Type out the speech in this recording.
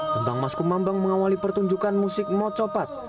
tembang masku mambang mengawali pertunjukan musik mocopap